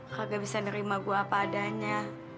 kagak bisa nerima gue apa adanya